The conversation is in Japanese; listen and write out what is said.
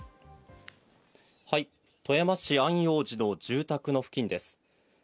はい、富山市安養寺の住宅の付近です。